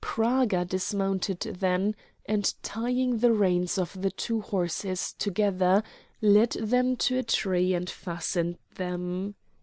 Praga dismounted then, and, tying the reins of the two horses together, led them to a tree, and fastened them.